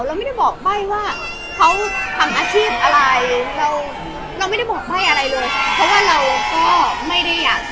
เราไม่ได้บอกใบ้ว่าเขาทำอาชีพอะไรเราเราไม่ได้บอกใบ้อะไรเลยเพราะว่าเราก็ไม่ได้อยาก